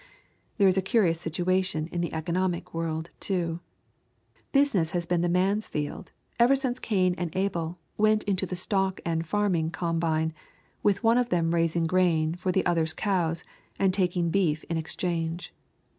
There is a curious situation in the economic world, too. Business has been the man's field ever since Cain and Abel went into the stock and farming combine, with one of them raising grain for the other's cows, and taking beef in exchange.